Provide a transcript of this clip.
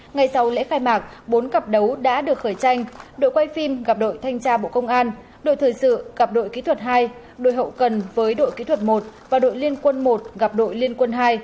ngày sau lễ khai mạc bốn cặp đấu đã được khởi tranh đội quay phim gặp đội thanh tra bộ công an đội thời sự gặp đội kỹ thuật hai đội hậu cần với đội kỹ thuật một và đội liên quân một gặp đội liên quân hai